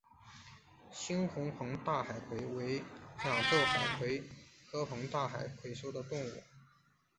猩红膨大海葵为甲胄海葵科膨大海葵属的动物。